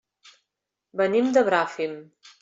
Venim de Bràfim.